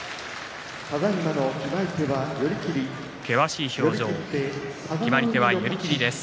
険しい表情決まり手は寄り切りです